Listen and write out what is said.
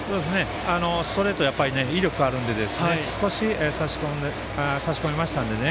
ストレートに威力があるので、差し込めましたのでね。